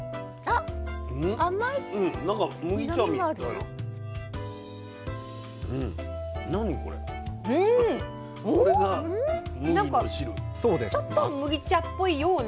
なんかちょっと麦茶っぽいような。